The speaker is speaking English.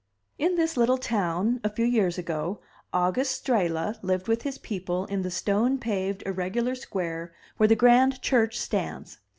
In this little town a few years ago August Strehla lived with his people in the stone paved irregular square where the grand church stands.